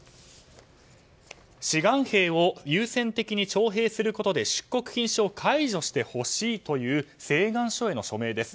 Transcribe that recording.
志願兵を優先的に徴兵することで出国禁止を解除してほしいという請願書への署名です。